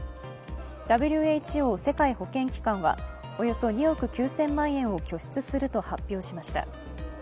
ＷＨＯ＝世界保健機関はおよそ２億９０００万円を拠出すると発表しました。